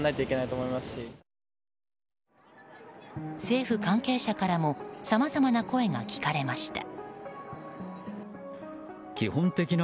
政府関係者からもさまざまな声が聞かれました。